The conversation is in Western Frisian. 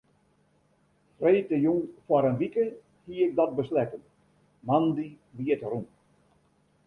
Freedtejûn foar in wike hie ik dat besletten, moandei wie it rûn.